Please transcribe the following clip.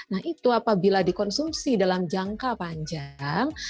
nah itu apabila dikonsumsi dalam jangka panjang